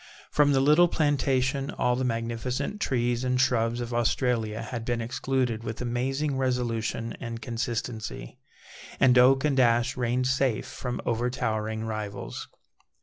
From the little plantation, all the magnificent trees and shrubs of Australia had been excluded with amazing resolution and consistency, and oak and ash reigned safe from overtowering rivals.